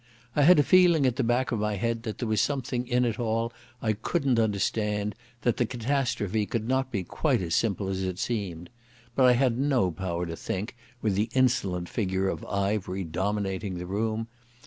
I had a feeling at the back of my head that there was something in it all that I couldn't understand, that the catastrophe could not be quite as simple as it seemed. But I had no power to think, with the insolent figure of Ivery dominating the room....